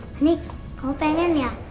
monik kamu pengen ya